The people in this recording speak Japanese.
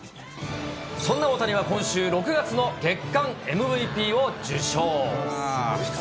そんな大谷は、今週、６月の月間ＭＶＰを受賞。